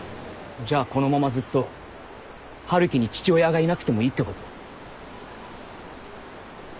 じゃあこのままずっと春樹に父親がいなくてもいいってこと？